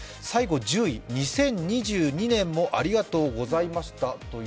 最後１０位、「２０２２年もありがとうございました」。